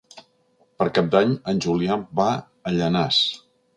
Per Cap d'Any en Julià va a Llanars.